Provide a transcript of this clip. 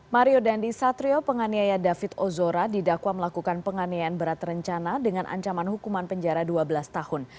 mario dandi satrio penganiaya david ozora didakwa melakukan penganiayaan berat rencana dengan ancaman hukuman penjara dua belas tahun